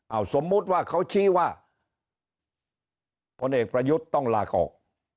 เอาสมมุติว่าเขาชี้ว่าพลเอกประยุทธ์ต้องลาออก